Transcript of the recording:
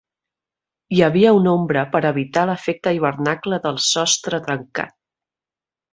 Hi havia una ombra per evitar l'efecte hivernacle del sostre tancat.